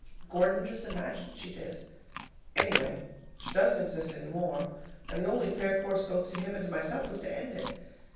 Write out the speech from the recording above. Gordon just imagined she did. Anyway, she doesn't exist any more, and the only fair course both to him and to myself was to end it.